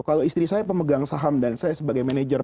kalau istri saya pemegang saham dan saya sebagai manajer